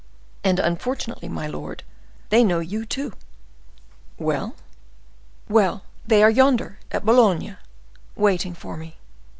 "And, unfortunately, my lord, they know you, too!" "Well?" "Well; they are yonder, at Boulogne, waiting for me."